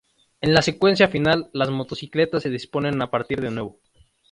En la secuencia final las motocicletas se disponen a partir de nuevo.